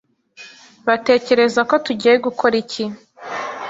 batekereza ko tugiye gukora iki